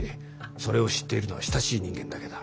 それを知っているのは親しい人間だけだ。